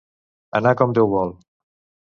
Anar com Déu vol.